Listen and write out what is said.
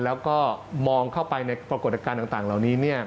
แล้วก็มองเข้าไปในปรากฏการณ์ต่างเหล่านี้